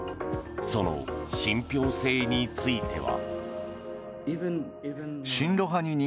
その信ぴょう性については。